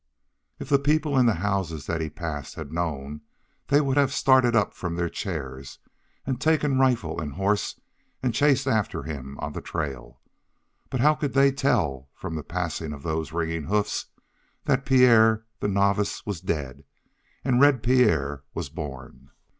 If the people in the houses that he passed had known they would have started up from their chairs and taken rifle and horse and chased after him on the trail. But how could they tell from the passing of those ringing hoofs that Pierre, the novice, was dead, and Red Pierre was born?